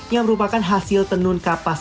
yang merupakan hasil tenun kapas